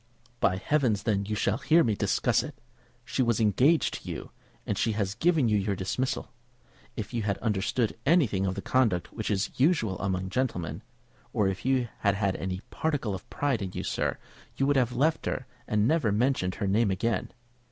"By heavens, then, you shall hear me discuss it! She was engaged to you, and she has given you your dismissal. If you had understood anything of the conduct which is usual among gentlemen, or if you had had any particle of pride in you, sir, you would have left her and never mentioned her name again.